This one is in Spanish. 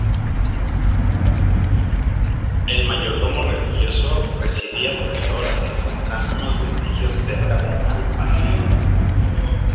El mayordomo religioso residía donde ahora se encuentran unos vestigios cerca del Mal Paso.